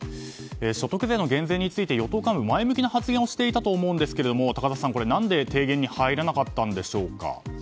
所得税の減税について与党間で前向きな発言をしていたと思うんですが高田さん、何で提言に入らなかったんでしょうか。